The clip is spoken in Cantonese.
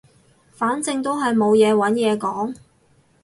反正都係冇嘢揾嘢講